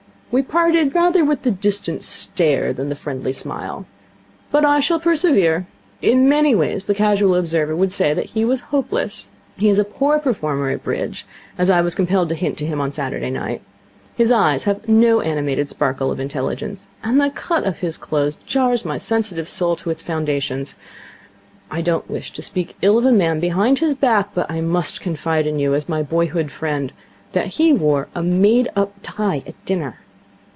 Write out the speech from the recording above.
We parted rather with the Distant Stare than the Friendly Smile. But I shall persevere. In many ways the casual observer would say that he was hopeless. He is a poor performer at Bridge, as I was compelled to hint to him on Saturday night. His eyes have no animated sparkle of intelligence. And the cut of his clothes jars my sensitive soul to its foundations. I don't wish to speak ill of a man behind his back, but I must confide in you, as my Boyhood's Friend, that he wore a made up tie at dinner.